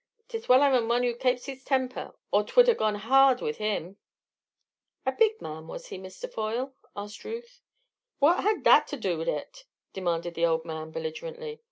'Tis well I'm a mon who kapes his temper, or 'twould ha' gone har r rd wid him." "A big man, was he, Mr. Foyle?" asked Ruth. "What had that to do wid it?" demanded the old man, belligerently.